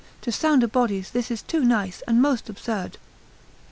to sounder bodies this is too nice and most absurd.